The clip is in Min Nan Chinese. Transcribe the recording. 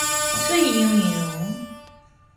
碎溶溶